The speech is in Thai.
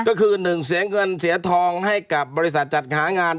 ก็คือ๑เสียเงินเสียทองให้กับบริษัทจัดหางาน